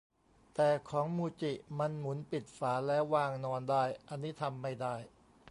แต่ของมูจิมันหมุนปิดฝาแล้ววางนอนได้ อันนี้ทำไม่ได้